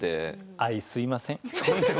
あいすいません。